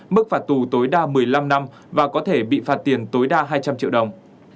mức phạt tù tối đa hai mươi triệu đồng